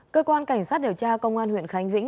cơ quan cảnh sát điều tra công an huyện khánh vĩnh